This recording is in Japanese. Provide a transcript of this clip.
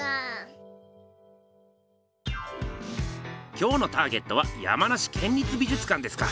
今日のターゲットは山梨県立美術館ですか。